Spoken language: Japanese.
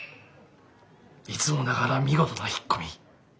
いつもながら見事な引っ込み。